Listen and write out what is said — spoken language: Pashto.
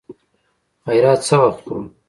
خيرات څه وخت خورو.